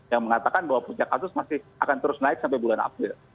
yang mengatakan bahwa puncak kasus masih akan terus naik sampai bulan april